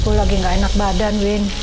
aku lagi gak enak badan win